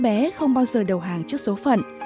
bé không bao giờ đầu hàng trước số phận